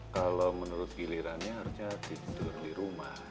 kalau menurut gilirannya harusnya tidur di rumah